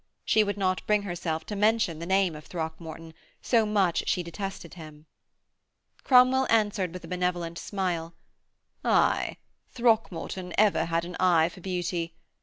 She would not bring herself to mention the name of Throckmorton, so much she detested him. Cromwell answered with a benevolent smile, 'Aye, Throckmorton had ever an eye for beauty.